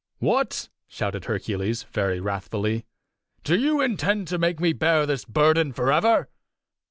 "What!" shouted Hercules, very wrathfully, "do you intend to make me bear this burden forever?"